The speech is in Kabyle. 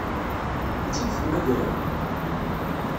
Ad tt-id-temmagrem?